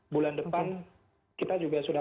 bulan depan kita juga sudah